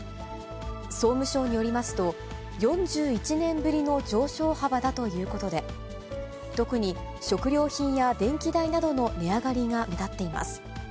総務省によりますと、４１年ぶりの上昇幅だということで、特に食料品や電気代などの値上がりが目立っています。